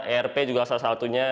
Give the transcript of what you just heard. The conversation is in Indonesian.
erp juga salah satunya